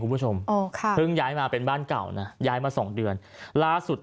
คุณผู้ชมอ๋อค่ะเพิ่งย้ายมาเป็นบ้านเก่านะย้ายมาสองเดือนล่าสุด